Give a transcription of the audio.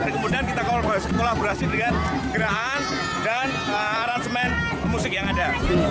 kemudian kita kolaborasi dengan gerakan dan aransemen musik yang ada